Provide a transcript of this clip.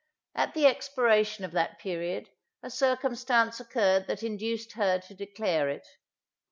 At the expiration of that period a circumstance occurred that induced her to declare it.